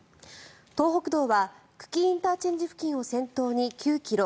東北道は久喜ＩＣ付近を先頭に９ｋｍ